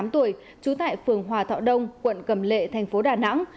hai mươi tám tuổi trú tại phường hòa thọ đông quận cầm lệ thành phố đà nẵng